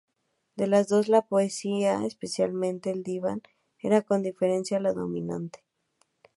De las dos, la poesía —específicamente el diván— era con diferencia la dominante.